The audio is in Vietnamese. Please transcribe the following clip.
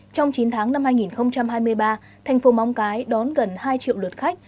trong chín tháng năm hai nghìn hai mươi ba thành phố móng cái đón gần hai triệu lượt khách